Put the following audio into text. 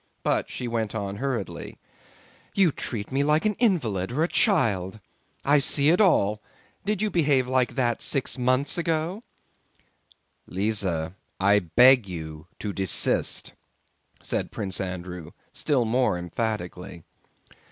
But she went on hurriedly: "You treat me like an invalid or a child. I see it all! Did you behave like that six months ago?" "Lise, I beg you to desist," said Prince Andrew still more emphatically.